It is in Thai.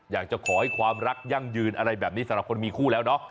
อยากจะขอให้ความรักยั่งยืนอะไรแบบนี้สำหรับคนมีคู่แล้วเนาะ